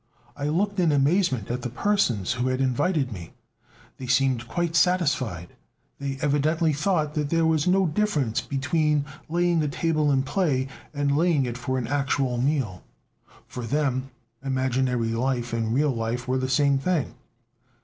I looked in amazement at the persons who had invited me; they seemed quite satisfied; they evidently thought that there was no difference between laying a table in play and laying it for an actual meal; for them imaginary life and real life were the same thing.